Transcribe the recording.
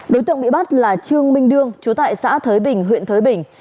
đối tượng bị bắt là trương minh đương chú tại xã thới bình huyện thới bình